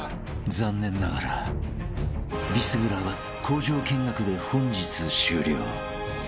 ［残念ながらビスブラは『向上』見学で本日終了］